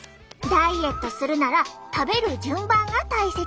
ダイエットするなら食べる順番が大切！